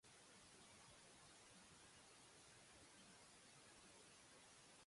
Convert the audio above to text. Chanzo cha utumwa kilikuwa mara nyingi ama vita ama madeni.